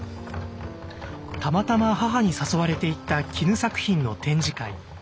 たまたま母に誘われて行った絹作品の展示会。